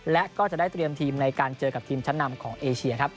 และก็จะได้เตรียมทีมในการเจอกับทีมชั้นนำของเอเชียครับ